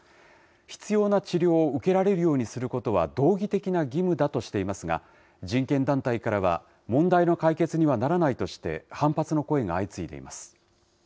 必要な治療を受けられるようにすることは、道義的な義務だとしていますが、人権団体からは問題の解決にはならないとして、反発の声が相次いでいます。